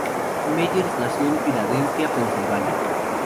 Meyers nació en Filadelfia, Pensilvania.